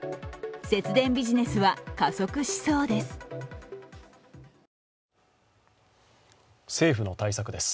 節電ビジネスは加速しそうです。